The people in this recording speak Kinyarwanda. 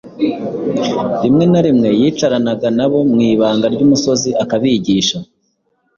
Rimwe na rimwe yicaranaga nabo mu ibanga ry’umusozi akabigisha;